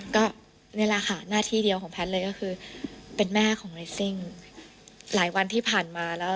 ก็นี่แหละค่ะหน้าที่เดียวของแพทย์เลยก็คือเป็นแม่ของเรสซิ่งหลายวันที่ผ่านมาแล้ว